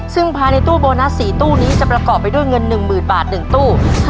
ซึ่งภายในตู้โบนัส๔ตู้นี้จะประกอบไปด้วยเงิน๑๐๐๐บาท๑ตู้